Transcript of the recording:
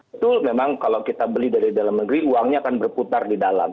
itu memang kalau kita beli dari dalam negeri uangnya akan berputar di dalam